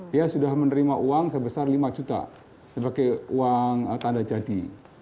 dia sudah menerima uang sebesar lima juta sebagai uang tanda jadi